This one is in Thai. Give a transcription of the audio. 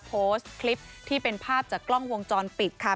โพสต์คลิปที่เป็นภาพจากกล้องวงจรปิดค่ะ